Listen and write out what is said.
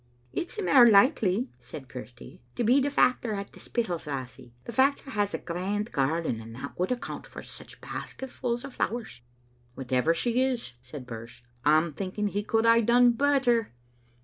"It's mair likely," said Chirsty, "to be the factor at the Spittal's lassie. The factor has a grand garden, and that would account for such basketfuls o' flowers." " Whaever she is," said Birse, " I'm thinking he could hae done better."